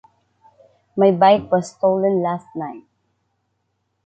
My bike was stolen last night.